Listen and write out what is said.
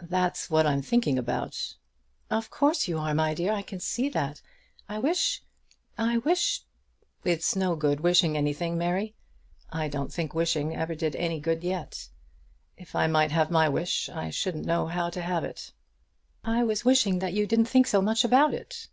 "That's what I'm thinking about." "Of course you are, my dear. I can see that. I wish, I wish " "It's no good wishing anything, Mary. I don't think wishing ever did any good yet. If I might have my wish, I shouldn't know how to have it." "I was wishing that you didn't think so much about it."